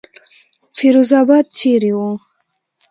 فیروز آباد چېرې وو.